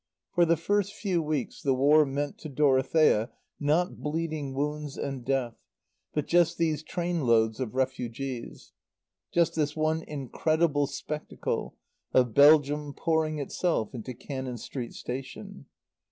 For the first few weeks the War meant to Dorothea, not bleeding wounds and death, but just these train loads of refugees just this one incredible spectacle of Belgium pouring itself into Cannon Street Station.